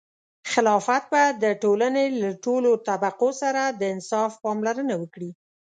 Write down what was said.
خلافت به د ټولنې له ټولو طبقو سره د انصاف پاملرنه وکړي.